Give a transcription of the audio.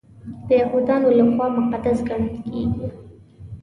د یهودانو لخوا مقدس ګڼل کیږي.